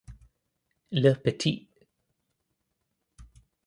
Le Petit.